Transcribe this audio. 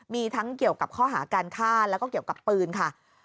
มีทั้งเกี่ยวกับข้อหาการฆ่าแล้วก็เกี่ยวกับปืนค่ะ